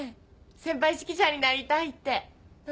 先輩指揮者になりたいって。